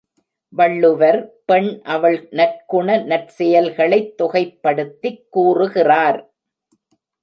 வள்ளுவர் பெண் அவள் நற்குண நற்செயல்களைத் தொகைப்படுத்திக் கூறுகிறார்.